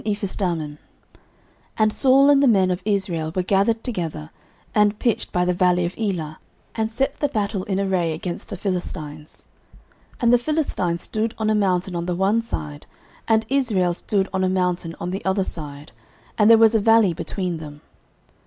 09:017:002 And Saul and the men of Israel were gathered together, and pitched by the valley of Elah, and set the battle in array against the Philistines. 09:017:003 And the Philistines stood on a mountain on the one side, and Israel stood on a mountain on the other side: and there was a valley between them.